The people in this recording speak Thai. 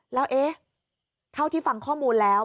เฮ้เท่าที่ฟังข้อมูลแล้ว